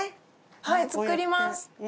はい作ります。